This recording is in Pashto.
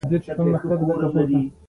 دوکاندار د ښځو اړتیا ته درناوی لري.